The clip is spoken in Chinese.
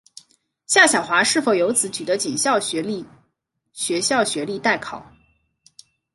夏晓华是否由此取得警官学校学历待考。